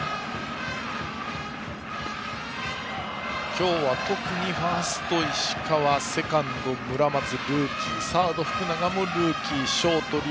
今日は特にファースト石川セカンド、村松はルーキーサードの福永もルーキーショート、龍